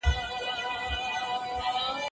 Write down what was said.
هغه مهال چي ناسيوناليزم پيدا سو سياست عام سو.